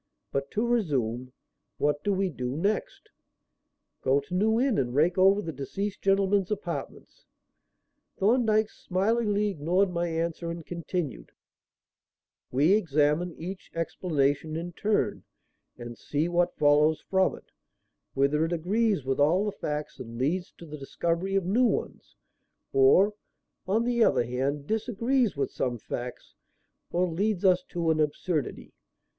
But to resume: what do we do next?" "Go to New Inn and rake over the deceased gentleman's apartments." Thorndyke smilingly ignored my answer and continued "We examine each explanation in turn and see what follows from it; whether it agrees with all the facts and leads to the discovery of new ones, or, on the other hand, disagrees with some facts or leads us to an absurdity.